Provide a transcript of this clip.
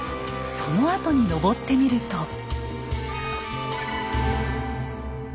その跡に登ってみると。